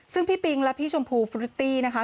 ซึ่งพี่ปิงและพี่ชมพูฟุริตตี้นะคะ